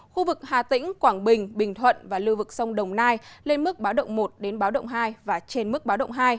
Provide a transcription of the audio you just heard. khu vực hà tĩnh quảng bình bình thuận và lưu vực sông đồng nai lên mức báo động một đến báo động hai và trên mức báo động hai